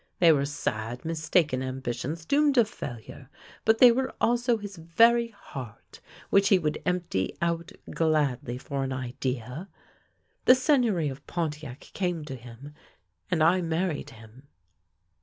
They were sad, mis taken ambitions, doomed to failure, but they were also his very heart, which he would empty out gladly for an idea. The Seigneury of Pontiac came to him, and I married him."